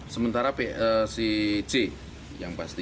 sementara si c yang pasti